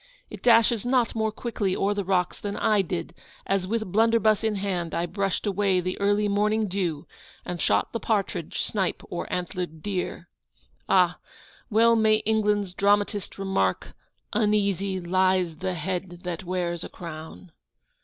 It dashes not more quickly o'er the rocks than I did, as, with blunderbuss in hand, I brushed away the early morning dew, and shot the partridge, snipe, or antlered deer! Ah! well may England's dramatist remark, "Uneasy lies the head that wears a crown!"